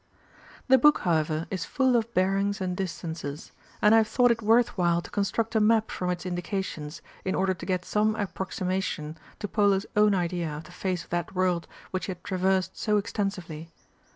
The Book, however, is full of bearings and distances, and I have thought it worth while to construct a map from its indications, in order to get some approximation to Map con Polo's own idea of the face of that world which stmctedon Polo's data. he had traversed so extensively.